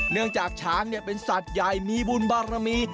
เนื่องจากช้างเป็นสัตว์ใหญ่มีบุญบารมี